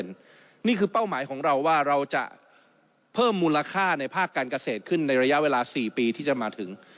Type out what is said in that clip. นี่คือเป้าหมายของเราว่าเราจะเพิ่มมูลค่าในภาคการเกษตรขึ้นในระยะเวลา๔ปีที่จะมาถึง